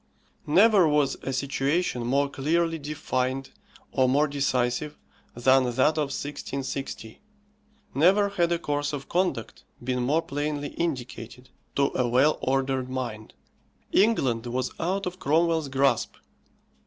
Never was a situation more clearly defined or more decisive than that of 1660. Never had a course of conduct been more plainly indicated to a well ordered mind. England was out of Cromwell's grasp.